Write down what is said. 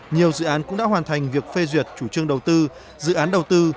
nhiều dự án cũng đã hoàn thành việc phê duyệt chủ trương đầu tư dự án đầu tư